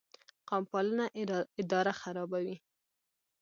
قوم پالنه اداره خرابوي